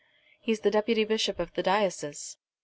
"He's the Deputy Bishop of the diocese."